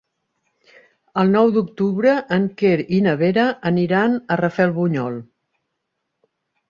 El nou d'octubre en Quer i na Vera aniran a Rafelbunyol.